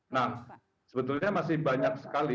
nah sebetulnya masih banyak sekali